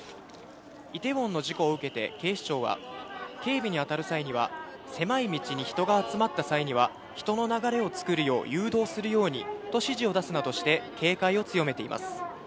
イテウォンの事故を受けて、警視庁は、警備に当たる際には、狭い道に人が集まった際には、人の流れを作るよう誘導するようにと指示を出すなどして警戒を強めています。